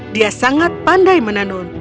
dia sangat pandai menenun